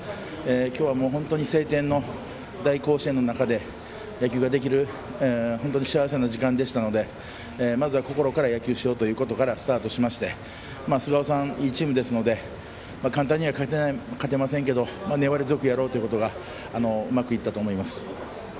今日は晴天の中で野球ができる本当に幸せな時間でしたのでまずは心から野球しようとスタートしまして菅生さん、いいチームですので簡単には勝てないですけど粘り強くやろうということがうまくいったと思います。